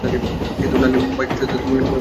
কিন্তু লালীর বাছুরটা তুমি পরাণকে দিলে না যে?